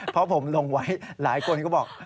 เพราะผมลงไว้หลายคนก็บอก